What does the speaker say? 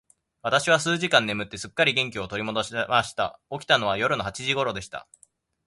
私は数時間眠って、すっかり元気を取り戻しました。起きたのは夜の八時頃でした。